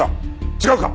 違うか！？